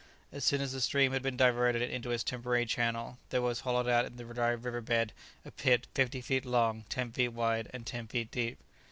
As soon as the stream had been diverted into its temporary channel, there was hollowed out in the dry river bed a pit, fifty feet long, ten feet wide, and ten feet deep.